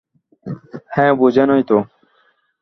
হ্যাঁ, বোঝেনই তো।